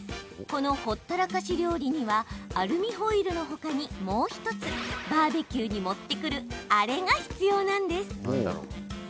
この、ほったらかし料理にはアルミホイルのほかに、もう１つバーベキューに持ってくるあれが必要なんです。